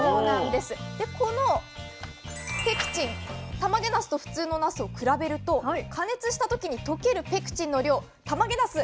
でこのペクチンたまげなすと普通のなすを比べると加熱した時に溶けるペクチンの量たまげなす